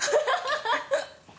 ハハハ